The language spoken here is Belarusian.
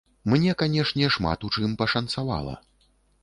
Мне, канешне, шмат у чым пашанцавала.